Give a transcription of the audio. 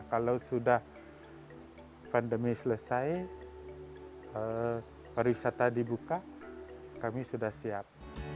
kalau sudah pandemi selesai pariwisata dibuka kami sudah siap